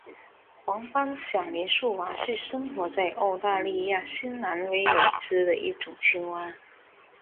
黄斑响铃树蛙是生活在澳大利亚新南威尔斯的一种青蛙。